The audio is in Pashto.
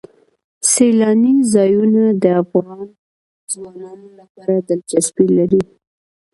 سیلانی ځایونه د افغان ځوانانو لپاره دلچسپي لري.